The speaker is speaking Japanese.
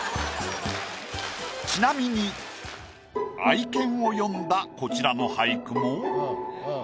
ちなみに愛犬を詠んだこちらの俳句も。